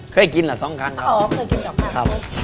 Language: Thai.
เคยกินละสองทั้งครบ